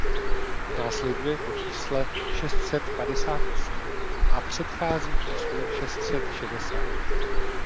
Následuje po čísle šest set padesát osm a předchází číslu šest set šedesát.